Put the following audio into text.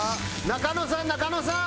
中野さん！中野さん！